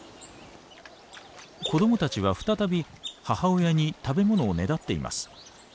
子供たちは再び母親に食べ物をねだっています。